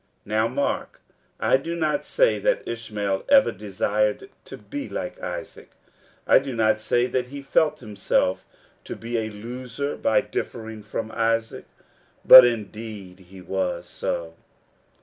Now mark : I do not say that Ishmael ever desired to be like Isaac ; I do not say that he felt himself to be a loser by differing from Isaac ; but, indeed, he was so.